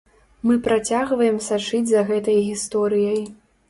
Мы працягваем сачыць за гэтай гісторыяй.